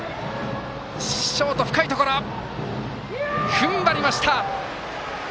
ふんばりました！